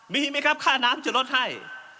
มีไหมครับค่าน้ำจะลดให้